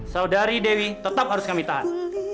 saudari dewi tetap harus kami tahan